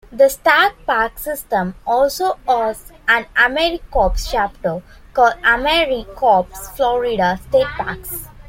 The state park system also hosts an AmeriCorps chapter, called AmeriCorps Florida State Parks.